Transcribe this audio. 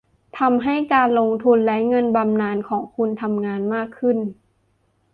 ทำให้การลงทุนและเงินบำนาญของคุณทำงานมากขึ้น